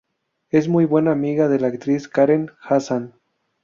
Es muy buena amiga de la actriz Karen Hassan.